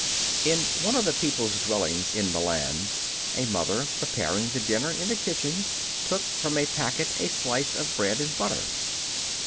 In one of the people's dwellings at Milan, a mother, preparing the dinner in the kitchen, took from a packet a slice of bread and butter.